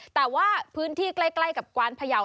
แต่ว่าพื้นที่ใกล้กับกวานพยาว